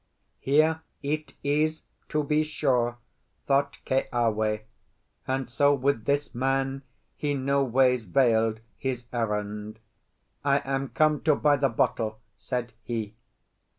"Here it is, to be sure," thought Keawe, and so with this man he noways veiled his errand. "I am come to buy the bottle," said he.